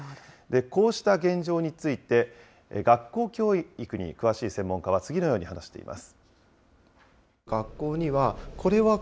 こうした現状について、学校教育に詳しい専門家は次のように話しています。